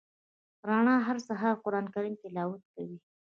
رڼا هر سهار د قران کریم تلاوت کوي.